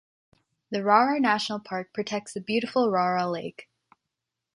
The Rara National Park protects this beautiful Rara Lake.